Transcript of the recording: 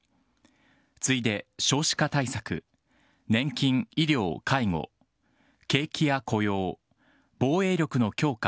次いで少子化対策、年金・医療・介護、景気や雇用、防衛力の強化